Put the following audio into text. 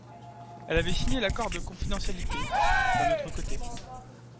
Elle avait signé l’accord de confidentialité, d’un autre côté.